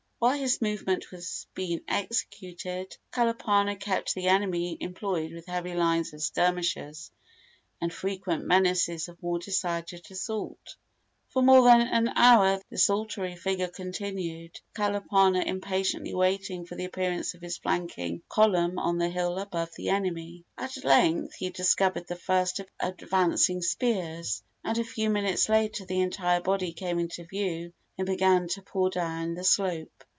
While this movement was being executed Kalapana kept the enemy employed with heavy lines of skirmishers and frequent menaces of more decided assault. For more than an hour this desultory fighting continued, Kalapana impatiently watching for the appearance of his flanking column on the hill above the enemy. At length he discovered the first of its advancing spears, and a few minutes later the entire body came into view and began to pour down the slope.